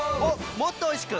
もっとおいしく！